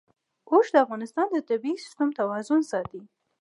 اوښ د افغانستان د طبعي سیسټم توازن ساتي.